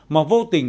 mà vô tình